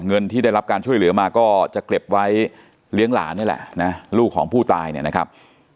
เงินที่ได้รับการช่วยเหลือมาก็จะเก็บไว้เลี้ยงหลานนี่แหละนะลูกของผู้ตายเนี่ยนะครับ